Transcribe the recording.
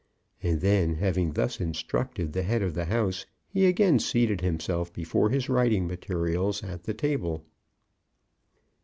And then, having thus instructed the head of the house, he again seated himself before his writing materials at the table.